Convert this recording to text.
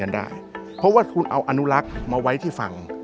สามารถข้ามเส้นกันได้เพราะว่าคุณเอาอนุรักษ์มาไว้ที่ฝั่ง